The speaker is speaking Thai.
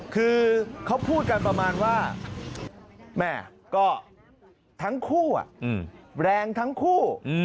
คือเขาพูดกันประมาณว่าแม่ก็ทั้งคู่แรงทั้งคู่